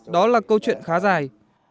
đó là câu chuyện khá dài